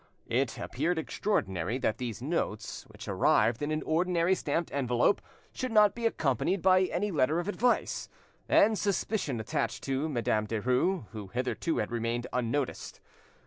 It appeared extraordinary that these notes, which arrived in an ordinary stamped envelope, should not be accompanied by any letter of advice, and suspicion attached to Madame Derues, who hitherto had remained unnoticed.